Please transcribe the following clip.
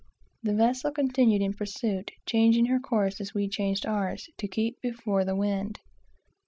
The vessel continued in pursuit, changing her course as we changed ours, to keep before the wind.